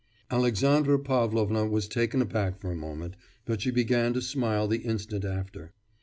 Alexandra Pavlovna was taken aback for a moment, but she began to smile the instant after.